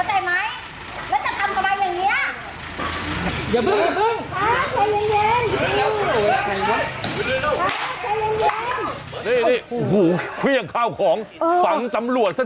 เอามีดวางเจ๊